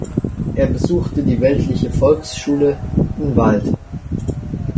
Er besuchte die weltliche Volksschule in Wald.